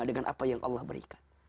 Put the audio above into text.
dengan apa yang allah berikan